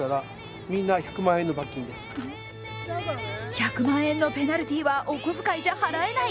１００万円のペナルティーはお小遣いじゃ払えない。